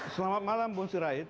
selamat malam bonsir raid